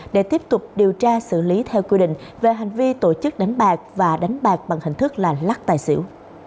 để tiếp tục điều tra xử lý theo quy định về hành vi tổ chức đánh bạc và đánh bạc bằng hình thức là lắc tài xỉu